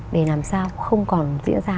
để làm sao không còn diễn ra